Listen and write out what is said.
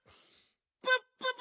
プッププ！